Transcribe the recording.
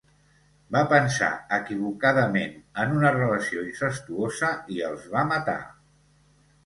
Va pensar equivocadament en una relació incestuosa i els va matar.